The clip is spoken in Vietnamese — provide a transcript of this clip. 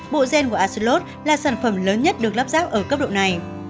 bộ gen của acilod là sản phẩm lớn nhất được lắp ráp ở cấp độ này